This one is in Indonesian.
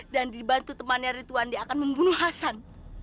dan dibantu temannya ritu andi akan membunuh hasan